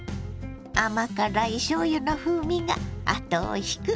甘辛いしょうゆの風味が後を引くおいしさですよ。